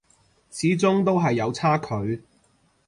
始終都係有差距